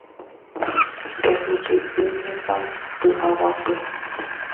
Rohupytýnema py'aguapy.